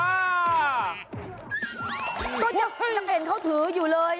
ก็ยังเห็นเขาถืออยู่เลย